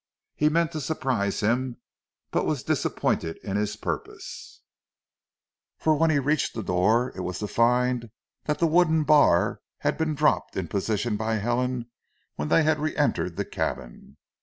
He meant to surprise him, but was disappointed in his purpose, for when he reached the door it was to find that the wooden bar had been dropped in position by Helen when they had re entered the cabin.